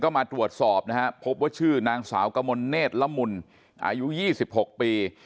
มาตรวจสอบนะฮะพบว่าชื่อนางสาวกมลเนธละมุนอายุ๒๖ปี